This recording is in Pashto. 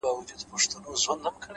• نن مي بيا ټوله شپه؛